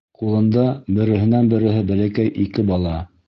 Ҡулында — береһенән-береһе бәләкәй ике бала.